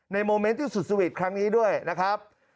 โมเมนต์ที่สุดสวีทครั้งนี้ด้วยนะครับ